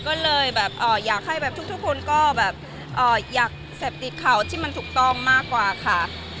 ก็เลยอยากให้ทุกคนก็อยากเสพติดเขาที่มันถูกต้องมากกว่าค่ะ